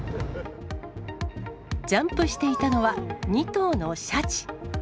ジャンプしていたのは、２党のシャチ。